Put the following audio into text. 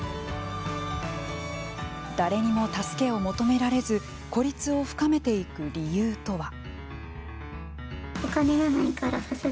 誰にも助けを求められず孤立を深めていく理由とは。